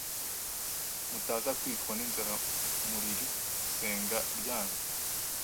mutaza kwicwa n'inzara muriri senga ryanyu